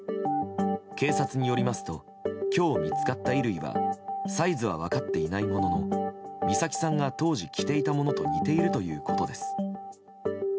警察によりますと今日見つかった衣類はサイズは分かっていないものの美咲さんが当時着ていたものと似ているということです。